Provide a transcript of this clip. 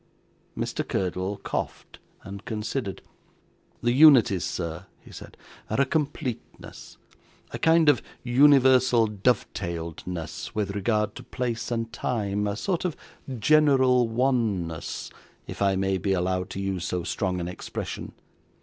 Mr. Curdle coughed and considered. 'The unities, sir,' he said, 'are a completeness a kind of universal dovetailedness with regard to place and time a sort of a general oneness, if I may be allowed to use so strong an expression.